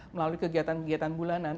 melalui kegiatan kegiatan bulanan